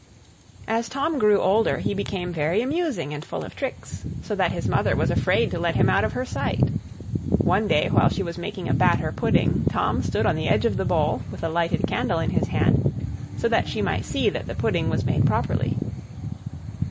As Tom grew older, he became very amusing and full of tricks, so that his mother was afraid to let him out of her sight. One day, while she was making a batter pudding, Tom stood on the edge of the bowl, with a lighted candle in his hand, so that she might see that the pudding was made properly.